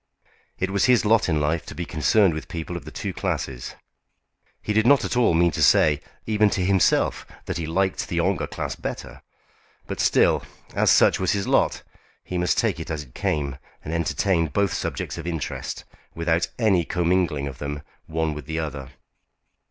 It was his lot in life to be concerned with people of the two classes. He did not at all mean to say, even to himself, that he liked the Ongar class the better; but still, as such was his lot, he must take it as it came, and entertain both subjects of interest, without any commingling of them one with another.